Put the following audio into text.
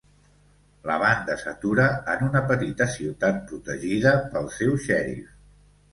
La banda s'atura en una petita ciutat protegida pel seu xèrif.